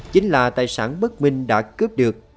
chính là tài sản bất minh đã cướp được